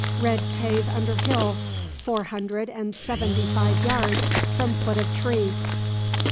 Red cave under hill, four hundred and seventy five yards from foot of tree, N.N.